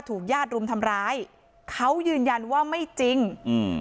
ญาติรุมทำร้ายเขายืนยันว่าไม่จริงอืม